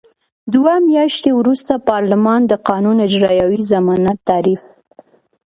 دوه میاشتې وروسته پارلمان د قانون اجرايوي ضمانت تعریف.